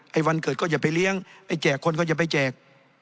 ให้วันเกิดก็จะไปเลี้ยงให้แจกคนก็จะไปแจก